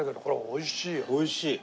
おいしい。